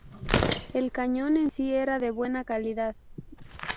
El cañón en sí era de buena calidad.